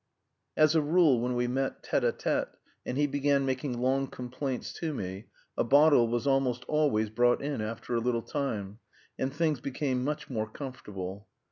As a rule when we met tête à tête and he began making long complaints to me, a bottle was almost always brought in after a little time, and things became much more comfortable.